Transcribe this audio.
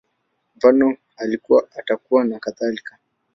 Mfano, Alikuwa, Atakuwa, nakadhalika